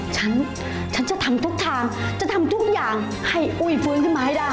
ฉันฉันจะทำทุกทางจะทำทุกอย่างให้อุ้ยฟื้นขึ้นมาให้ได้